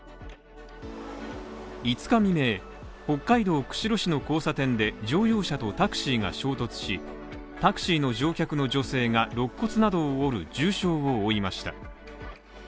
５日未明、北海道釧路市の交差点で乗用車とタクシーが衝突し、タクシーの乗客の女性が肋骨などを折る重傷を負いました。